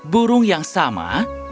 burung yang sama